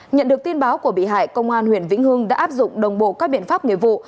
nhận được tin báo của bị hại công an huyện vĩnh hương đã áp dụng đồng bộ các biện pháp nghiệp vụ